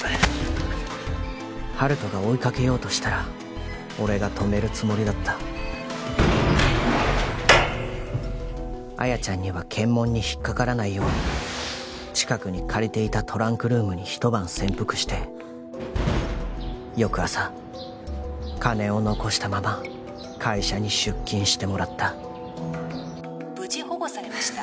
温人が追いかけようとしたら俺が止めるつもりだった亜矢ちゃんには検問に引っかからないよう近くに借りていたトランクルームに一晩潜伏して翌朝金を残したまま会社に出勤してもらった無事保護されました